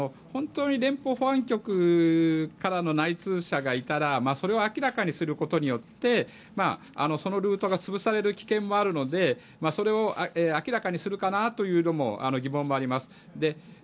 本当に連邦保安局からの内通者がいたらそれを明らかにすることによってそのルートがつぶされる危険もあるのでそれを明らかにするかなという疑問もあります。